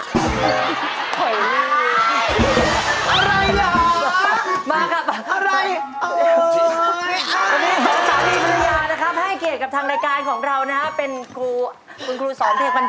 วันนี้สามีภรรยานะครับให้เกียรติกับทางรายการของเรานะฮะเป็นคุณครูสอนเทคอนโด